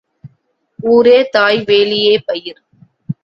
ஊரே தாய் வேலியே பயிர்.